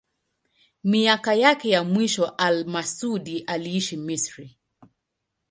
Miaka yake ya mwisho al-Masudi aliishi Misri.